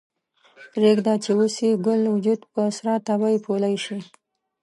پریږده چې اوس یې ګل وجود په سره تبۍ پولۍ شي